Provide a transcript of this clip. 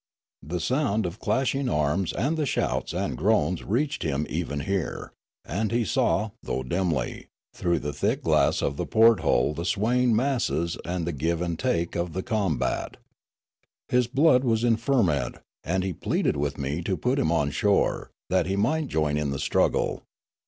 The sound of the clashing arms and the shouts and groans reached him even here, and he saw, though dimly, through the thick glass of the port hole the swaying masses and the give and take of the combat. His blood was in ferment, and he pleaded with me to put him on shore, that he might join in the struggle.